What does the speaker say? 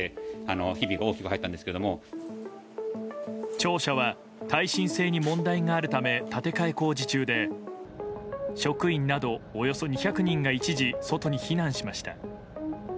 庁舎は耐震性に問題があるため建て替え工事中で職員などおよそ２００人が一時、外に避難しました。